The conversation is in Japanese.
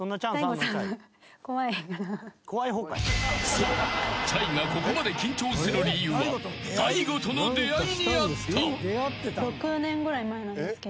［そうｃｈａｙがここまで緊張する理由は大悟との出会いにあった］